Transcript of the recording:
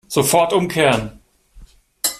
Sofort umkehren!